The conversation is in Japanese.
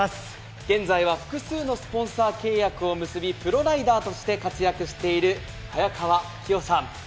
現在は複数のスポンサー契約を結びプロライダーとして活躍している早川起生さん。